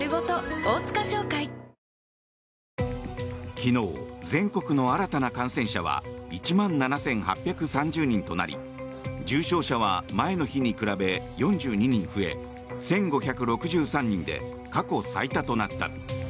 昨日、全国の新たな感染者は１万７８３０人となり重症者は前の日に比べ４２人増え１５６３人で過去最多となった。